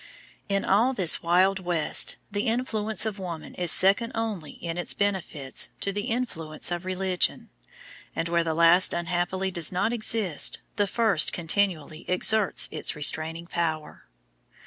In all this wild West the influence of woman is second only in its benefits to the influence of religion, and where the last unhappily does not exist the first continually exerts its restraining power.